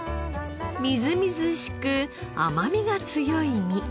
みずみずしく甘みが強い身。